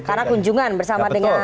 karena kunjungan bersama dengan anies ya